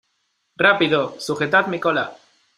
¡ Rápido! ¡ sujetad mi cola !